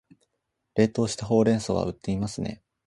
冷凍したほうれん草は売っていますね